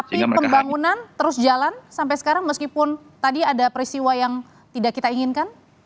tapi pembangunan terus jalan sampai sekarang meskipun tadi ada peristiwa yang tidak kita inginkan